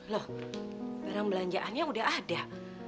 loh barang belanjaannya udah ada